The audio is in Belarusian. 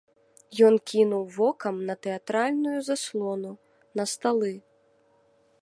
Ён кінуў вокам на тэатральную заслону, на сталы.